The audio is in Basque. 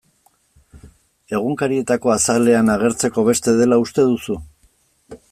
Egunkarietako azalean agertzeko beste dela uste duzu?